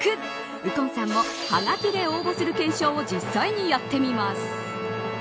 右近さんもはがきで応募する懸賞を実際にやってみます。